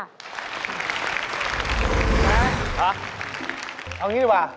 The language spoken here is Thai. แม่เอาอย่างนี้ดีกว่า